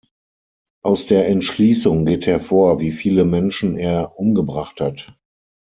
Aus der Entschließung geht hervor, wie viele Menschen er umgebracht hat.